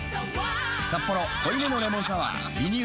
「サッポロ濃いめのレモンサワー」リニューアル